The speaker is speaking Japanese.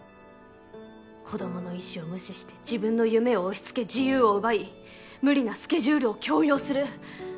子どもの意思を無視して自分の夢を押しつけ自由を奪い無理なスケジュールを強要する。